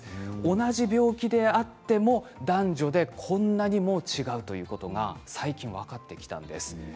同じ病気であっても男女でこんなにも違うということが最近分かってきたんです。